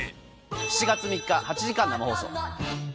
７月３日、８時間生放送。